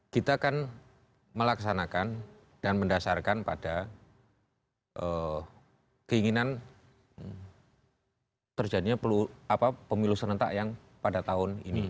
kita akan melaksanakan dan mendasarkan pada keinginan terjadinya pemilu serentak yang pada tahun ini